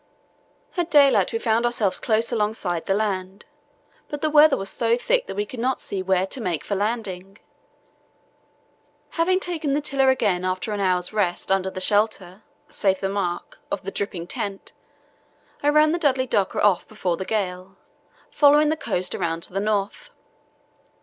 "At daylight we found ourselves close alongside the land, but the weather was so thick that we could not see where to make for a landing. Having taken the tiller again after an hour's rest under the shelter (save the mark!) of the dripping tent, I ran the Dudley Docker off before the gale, following the coast around to the north.